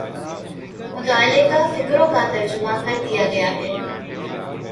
متعلقہ فقروں کا ترجمہ کر دیا گیا ہے